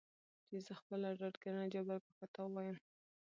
چې زه خپله ډاډګرنه جبار کاکا ته ووايم .